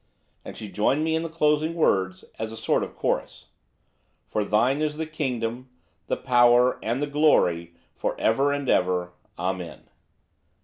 And she joined me in the closing words, as a sort of chorus. 'For Thine is the Kingdom, the Power, and the Glory, for ever and ever. Amen.